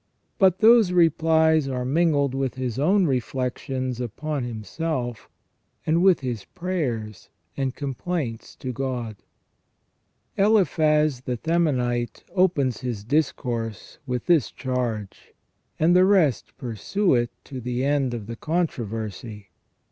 But those replies are mingled with his own reflections upon himself, and with his prayers and complaints to God. Eliphaz the Themanite opens his discourse with this charge, and the rest pursue it to the end of the controversy.